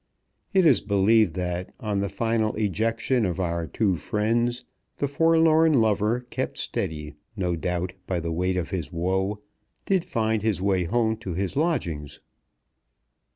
It is believed that on the final ejection of our two friends, the forlorn lover, kept steady, no doubt, by the weight of his woe, did find his way home to his own lodgings.